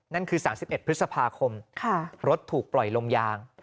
นั่นคือ๓๑พฤษภาคมรถถูกปล่อยลมยาง